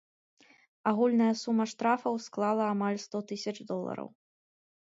Агульная сума штрафаў склала амаль сто тысяч долараў.